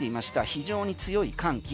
非常に強い寒気。